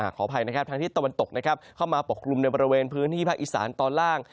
ขออภัยนะครับทางทิศตะวันตกนะครับเข้ามาปกกลุ่มในบริเวณพื้นที่ภาคอีสานตอนล่าง